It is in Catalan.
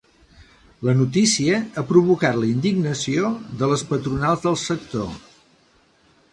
La notícia ha provocat la indignació de les patronals del sector.